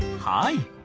はい。